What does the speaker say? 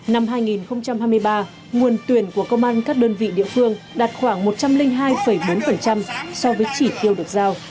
năm hai nghìn hai mươi ba nguồn tuyển của công an các đơn vị địa phương đạt khoảng một trăm linh hai bốn so với chỉ tiêu được giao